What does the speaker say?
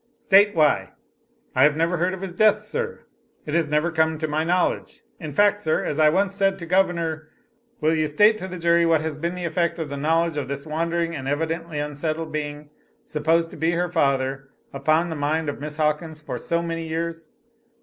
"State why" "I have never heard of his death, sir. It has never come to my knowledge. In fact, sir, as I once said to Governor " "Will you state to the jury what has been the effect of the knowledge of this wandering and evidently unsettled being, supposed to be her father, upon the mind of Miss Hawkins for so many years!"